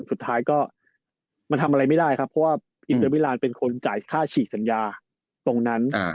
สุดท้ายก็มันทำอะไรไม่ได้ครับเพราะว่าอินเตอร์มิลานเป็นคนจ่ายค่าฉีกสัญญาตรงนั้น